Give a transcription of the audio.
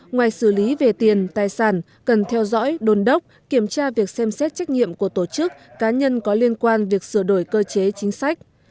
ngoài xử lý về tiền tài sản cần theo dõi đồn đốc kiểm tra việc xem xét trách nhiệm của tổ chức cá nhân có liên quan việc sửa đổi cơ chế chính sách